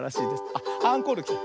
あっアンコールきた。